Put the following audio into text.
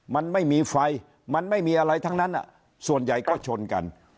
มันไม่มีไฟมันไม่มีอะไรทั้งนั้นส่วนใหญ่ก็ชนกัน